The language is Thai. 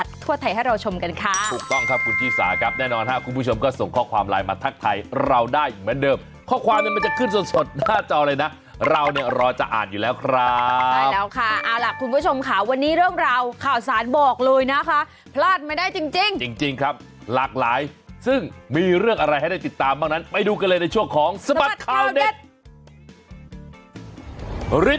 สวัสดีครับสวัสดีครับสวัสดีครับสวัสดีครับสวัสดีครับสวัสดีครับสวัสดีครับสวัสดีครับสวัสดีครับสวัสดีครับสวัสดีครับสวัสดีครับสวัสดีครับสวัสดีครับสวัสดีครับสวัสดีครับสวัสดีครับสวัสดีครับสวัสดีครับสวัสดีครับสวัสดีครับสวัสดีครับส